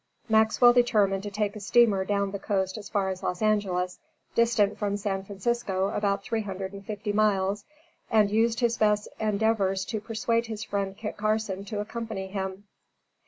Maxwell determined to take a steamer down the coast as far as Los Angelos, distant from San Francisco about three hundred and fifty miles, and used his best endeavors to persuade his friend Kit Carson to accompany him.